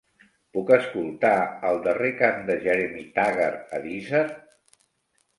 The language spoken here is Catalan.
Puc escoltar el darrer cant de Jeremy Taggart a Deezer?